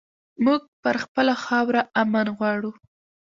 مونږ پر خپله خاوره امن غواړو